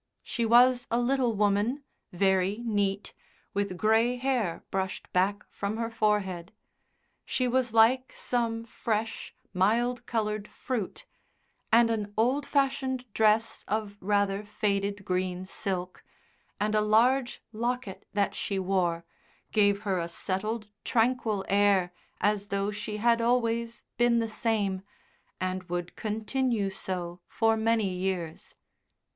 She was a little woman, very neat, with grey hair brushed back from her forehead. She was like some fresh, mild coloured fruit, and an old fashioned dress of rather faded green silk, and a large locket that she wore gave her a settled, tranquil air as though she had always been the same, and would continue so for many years.